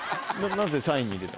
なぜ３位に入れた？